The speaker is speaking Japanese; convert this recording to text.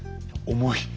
重い？